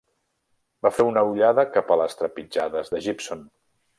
Va fer una ullada cap a les trepitjades de Gibson.